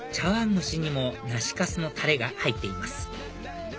蒸しにも梨粕のタレが入っています